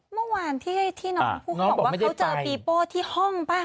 เมื่อวานที่น้องชมพู่เขาบอกว่าเขาเจอปีโป้ที่ห้องป่ะ